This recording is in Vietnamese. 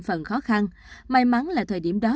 phần khó khăn may mắn là thời điểm đó